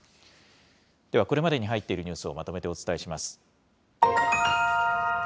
ではこれまでに入っているニュースをまとめてお伝えします。